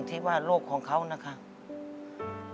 แต่ที่แม่ก็รักลูกมากทั้งสองคน